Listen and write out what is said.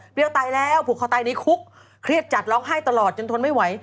ตายแล้วผูกคอตายในคุกเครียดจัดร้องไห้ตลอดจนทนไม่ไหว